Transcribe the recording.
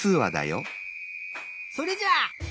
それじゃ。